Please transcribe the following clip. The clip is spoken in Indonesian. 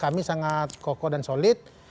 kami sangat kokoh dan solid